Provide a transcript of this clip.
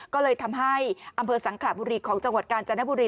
ก็เลยทำให้อำเภอสังขระบุรีของจังหวัดกาญจนบุรี